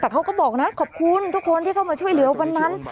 แต่เขาก็บอกนะขอบคุณทุกคนที่เข้ามาช่วยเหลือวันนั้น